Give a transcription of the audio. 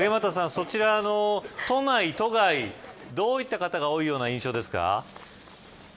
そちらの都内、都外どういった方が多いような印象ですか。